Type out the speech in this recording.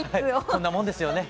こんなもんですよね。